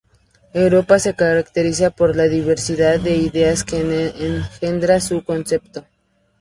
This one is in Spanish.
Europa se caracteriza por la diversidad de ideas que engendra su concepto.